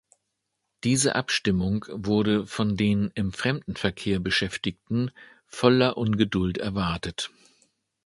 Diese Abstimmung wurde von den im Fremdenverkehr Beschäftigten voller Ungeduld erwartet.